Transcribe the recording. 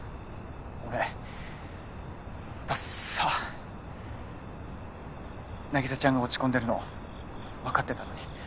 俺ダッサ凪沙ちゃんが落ち込んでるのわかってたのに。